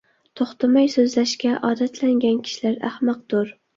توختىماي سۆزلەشكە ئادەتلەنگەن كىشىلەر ئەخمەقتۇر.